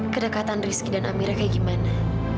kedekatan rizky dan amira kayak gimana